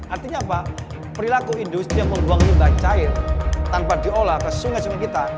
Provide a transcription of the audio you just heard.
artinya apa perilaku industri yang membuang limbah cair tanpa diolah ke sungai sungai kita